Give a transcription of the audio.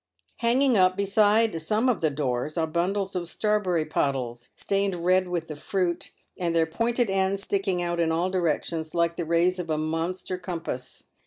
Hanging up beside some of the doors are bundles of strawberry pottles, stained red with the fruit, and their pointed ends sticking out in all directions, like the rays of a monster compass.